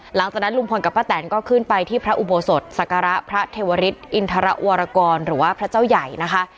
หลังจากนั้นลุงพลกับป้าแตนก็ขึ้นไปที่พระอุโบสถศักระพระเทวริสอินทรวรกรหรือว่าพระเจ้าใหญ่นะคะ